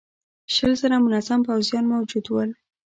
شل زره منظم پوځيان موجود ول.